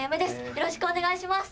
よろしくお願いします。